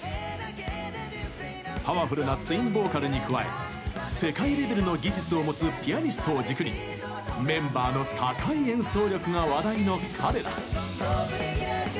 パワフルなツインボーカルに加え世界レベルの技術を持つピアニストを軸にメンバーの高い演奏力が話題の彼ら。